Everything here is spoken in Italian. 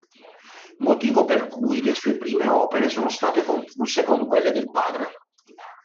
Motivo per cui le sue prime opere sono state confuse con quelle del padre.